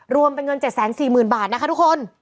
รวมเป็นเงิน๗๔๐๐๐บาทนะคะทุกคน